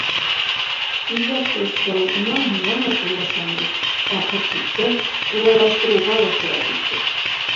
Үҙгәртеп ҡороу, унан һуң яңыртыу башланды, ахыр сиктә, ҡулайлаштырыуға ла сират етте.